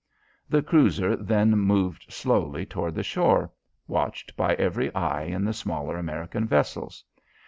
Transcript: The cruiser then moved slowly toward the shore, watched by every eye in the smaller American vessels.